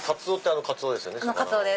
あのカツオです。